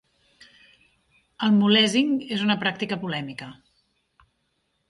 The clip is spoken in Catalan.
El "mulesing" és una pràctica polèmica.